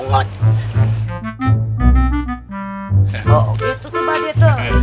oh gitu tuh pak dia tuh